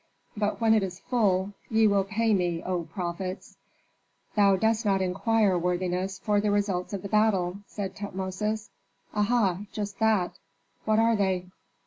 But when it is full, ye will pay me, O prophets." "Thou dost not inquire, worthiness, for the results of the battle," said Tutmosis. "Aha, just that. What are they?"